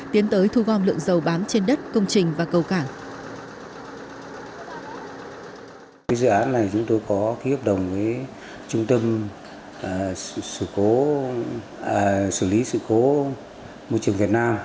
tiến tới thu gom lượng dầu bám trên đất công trình và cầu cảng